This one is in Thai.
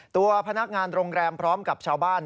ตัวพนักงานโรงแรมพร้อมกับชาวบ้าน